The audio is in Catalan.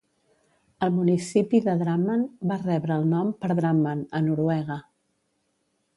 El municipi de Drammen va rebre el nom per Drammen, a Noruega.